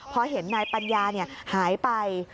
พอเห็นนายปัญญาหายไป